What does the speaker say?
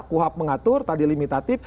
kuhab mengatur tadi limitatif